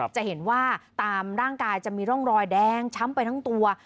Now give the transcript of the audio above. จะเห็นว่าตามร่างกายจะมีร่องรอยแดงช้ำไปทั้งตัว